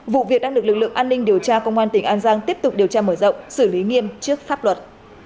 vụ việc đang được lực lượng an ninh điều tra công an tỉnh an giang tiếp tục điều tra mở rộng xử lý nghiêm trước pháp luật